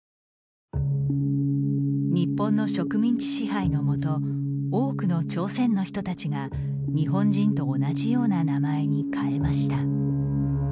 日本の植民地支配のもと多くの朝鮮の人たちが日本人と同じような名前に変えました。